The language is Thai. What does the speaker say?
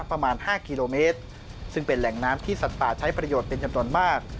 ประมาณ๕กิโลเมตรซึ่งเป็นแหล่งน้ำที่สัตว์ป่าใช้ประโยชน์เป็นจำนวนมาก